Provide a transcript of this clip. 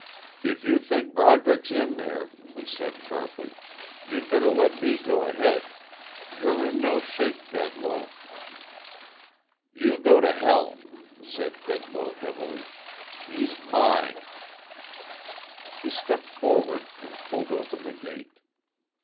"If you think Broderick's in there," he said sharply, "you'd better let me go ahead. You're in no shape, Bedloe...." "You go to hell," said Bedloe heavily. "He's mine." He stepped forward and pulled open the gate.